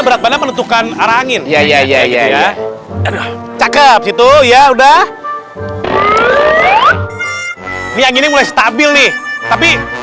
berat badan menentukan arah angin ya ya ya ya cakep situ ya udah ini mulai stabil nih tapi